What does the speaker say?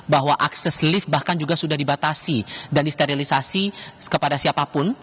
bahwa akses lift bahkan juga sudah dibatasi dan disterilisasi kepada siapapun